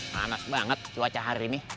panas banget cuaca hari ini